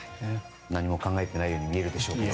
何も考えていないように見えるでしょうけど。